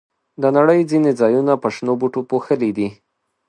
د نړۍ ځینې ځایونه په شنو بوټو پوښلي دي.